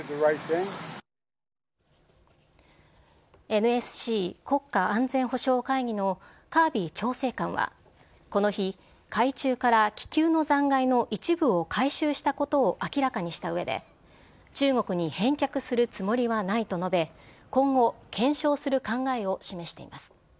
ＮＳＣ・国家安全保障会議のカービー調整官は、この日、海中から気球の残骸の一部を回収したことを明らかにしたうえで、中国に返却するつもりはないと述べ、今後、検証する考えを示しています。